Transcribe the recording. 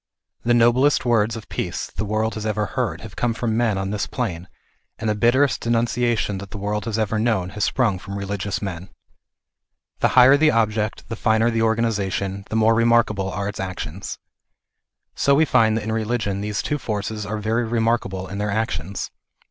The noblest words of peace that the world has ever heard have come from men on this plane, and the bitterest denunciation that the world has ever known has sprung from religious men. The higher the object, the 304 THE IDEAL OF A UNIVERSAL RELIGION. finer the organization, the more remarkable are its actions. So we find that in religion these two forces are very remarkable in their actions.